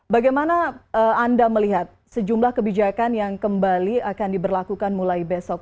bagaimana anda melihat sejumlah kebijakan yang kembali akan diberlakukan mulai besok